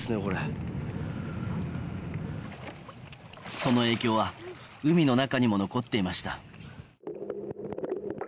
その影響は海の中にも残っていました